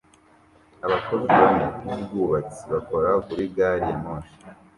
Abakozi bane b'ubwubatsi bakora kuri gari ya moshi